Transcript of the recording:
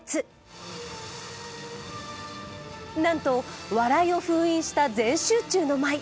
なんと笑いを封印した全集中の舞。